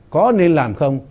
có nên làm không